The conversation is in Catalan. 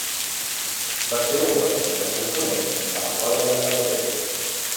Va ser un dels primers components de la Colla de Sabadell.